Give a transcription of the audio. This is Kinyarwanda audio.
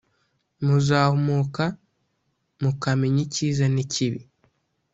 Muzahumuka mukamenya icyiza n’ikibi